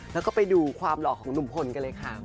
แล้วก็ไปดูความหล่อของหนุ่มพลกันเลยค่ะ